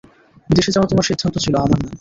বিদেশ যাওয়া তোমার সিদ্ধান্ত ছিল, আমার না।